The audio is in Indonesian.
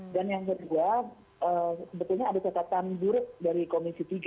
dan yang kedua sebetulnya ada kesetakuan buruk dari komisi tiga